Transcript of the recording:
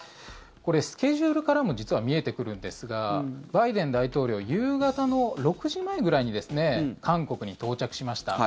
これ、スケジュールからも実は見えてくるんですがバイデン大統領夕方の６時前くらいに韓国に到着しました。